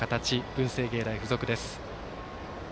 文星芸大付属です。